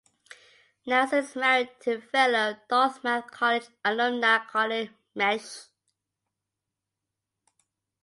Nasser is married to fellow Dartmouth College alumna Carly Mensch.